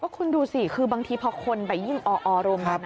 คุณดูสิคือบางทีพอคนไปยิ่งออรวมกัน